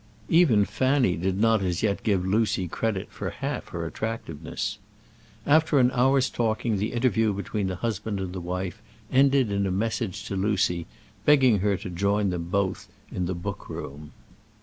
Even Fanny did not as yet give Lucy credit for half her attractiveness. After an hour's talking the interview between the husband and wife ended in a message to Lucy, begging her to join them both in the book room.